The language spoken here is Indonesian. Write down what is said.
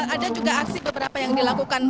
ada juga aksi beberapa yang dilakukan